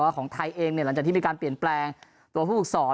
ว่าของไทยเองเนี่ยหลังจากที่มีการเปลี่ยนแปลงตัวผู้ศอด